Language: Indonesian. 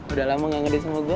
udah lama gak ngedate sama gue kan